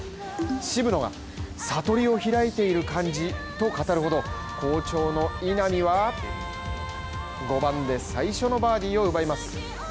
渋野が悟りを開いている感じと語るほど好調の稲見は５番で最初のバーディーを奪います。